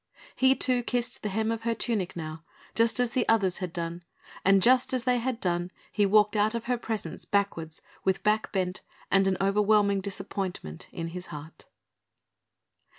He too kissed the hem of her tunic now, just as the others had done, and just as they had done he walked out of her presence backwards with back bent and an overwhelming disappointment in his heart.